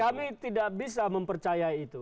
kami tidak bisa mempercaya itu